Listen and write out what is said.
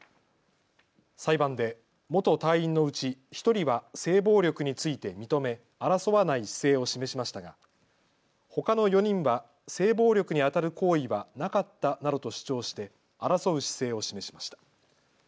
裁判で元隊員のうち１人は性暴力について認め争わない姿勢を示しましたがほかの４人は性暴力にあたる行為はなかったなどと主張して争う姿勢を示しました。